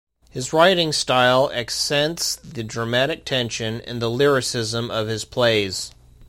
His writing style accents the dramatic tension and the lyricism of his plays.